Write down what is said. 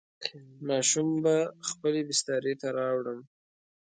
ماشوم به خپلې بسترې ته راوړم.